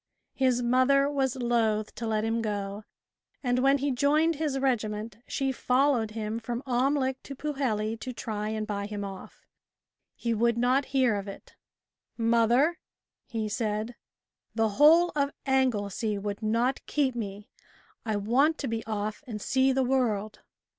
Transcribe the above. His mother was loath to let him go, and when he joined his regiment, she followed him from Amlych to Pwlheli to try and buy him off. He would not hear of it. "Mother," he said, "the whole of Anglesey would not keep me, I want to be off and see the world."